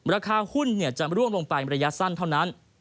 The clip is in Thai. ราคาหุ้นจะร่วงลงไประยะสั้นเท่านั้น